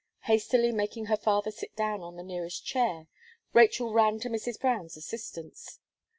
Hastily making her father sit down on the nearest chair, Rachel ran to Mrs. Brown's assistance.